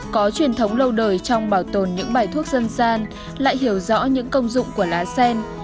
có truyền thống lâu đời trong bảo tồn những bài thuốc dân gian lại hiểu rõ những công dụng của lá sen